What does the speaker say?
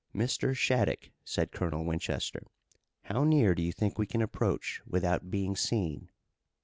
"Mr. Shattuck," said Colonel Winchester, "how near do you think we can approach without being seen?"